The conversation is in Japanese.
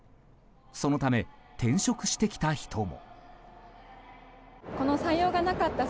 そのため、転職してきた人も。